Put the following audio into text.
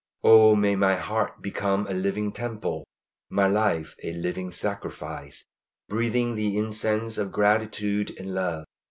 O may my heart become a living temple, my life a living sacrifice, breathing the incense of gratitude and love.